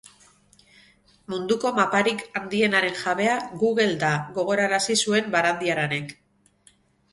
Munduko maparik handienaren jabea Google da, gogorarazi zuen Barandiaranek.